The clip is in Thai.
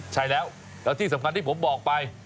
ใช่แล้วแล้วที่สำคัญที่ผมบอกไป